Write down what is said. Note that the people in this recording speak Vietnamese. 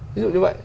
ví dụ như vậy